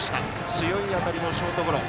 強い当たりのショートゴロ。